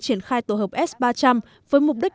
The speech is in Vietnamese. triển khai tổ hợp s ba trăm linh với mục đích